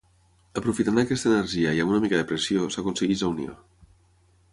Aprofitant aquesta energia i amb una mica de pressió s'aconsegueix la unió.